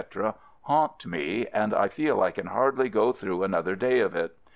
— haunt me, and I feel I can hardly go through another day of it.